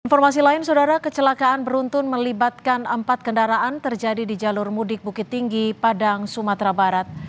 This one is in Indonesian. informasi lain saudara kecelakaan beruntun melibatkan empat kendaraan terjadi di jalur mudik bukit tinggi padang sumatera barat